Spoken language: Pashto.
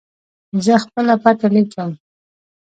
زه خپله پته لیکم.